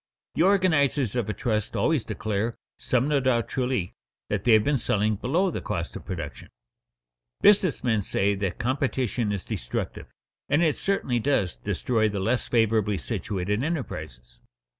The organizers of a trust always declare, some no doubt truly, that they have been selling below the cost of production. Business men say that competition is destructive, and it certainly does destroy the less favorably situated enterprises.